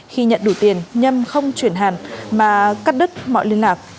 khi nhận đủ tiền nhâm không chuyển hàn mà cắt đứt mọi liên lạc